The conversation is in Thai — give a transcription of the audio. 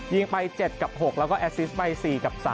ยิงไป๗กับ๖แล้วก็แอซิสไป๔กับ๓